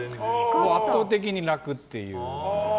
圧倒的に楽っていう。